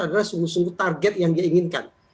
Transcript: adalah sungguh sungguh target yang dia inginkan